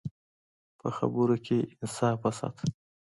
په خبرو کې انصاف وساته.